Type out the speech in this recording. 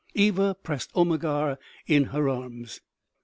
Eva pressed Omegar in her arms.